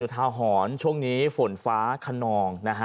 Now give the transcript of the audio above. จุฐาหอนช่วงนี้ฝนฟ้าคนอง